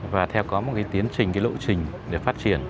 và theo có một tiến trình lộ trình để phát triển